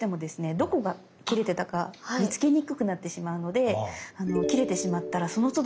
どこが切れてたか見つけにくくなってしまうので切れてしまったらそのつど修復しておくといいです。